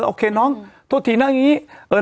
โอเคน้องโทษทีนะน้องจะทำงี้